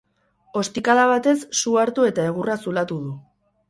Ostikada batez su hartu eta egurra zulatu du.